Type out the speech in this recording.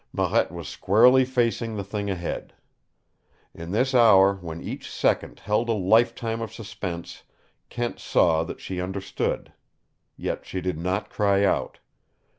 Marette was squarely facing the thing ahead. In this hour when each second held a lifetime of suspense Kent saw that she understood. Yet she did not cry out.